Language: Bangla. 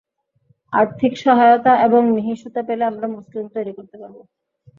আর্থিক সহায়তা এবং মিহি সুতা পেলে আমরা মসলিন তৈরি করতে পারব।